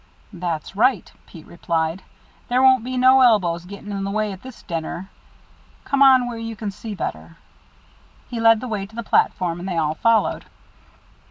"That's right," Pete replied. "There won't be no elbows getting in the way at this dinner. Come up where you can see better." He led the way to the platform, and they all followed.